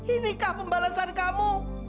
inikah pembalasan kamu